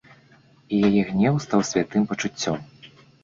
І яе гнеў стаў святым пачуццём.